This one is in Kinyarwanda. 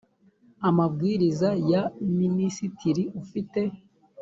amabwiriza ya minisitiri ufite